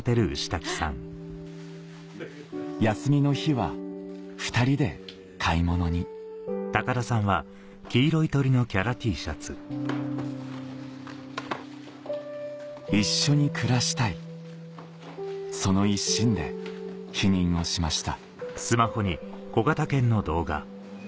休みの日は２人で買い物に一緒に暮らしたいその一心で避妊をしました